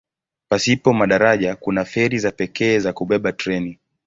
Pasipo madaraja kuna feri za pekee za kubeba treni.